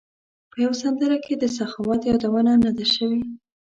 په یوه سندره کې د سخاوت یادونه نه ده شوې.